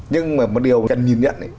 nhưng mà một điều cần nhìn nhận ấy